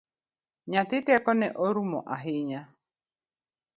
Nyathi tekone orumo ahinya